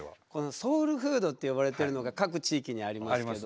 「ソウルフード」と呼ばれてるのが各地域にありますけど。